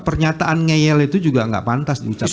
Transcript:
pernyataan ngeel itu juga gak pantas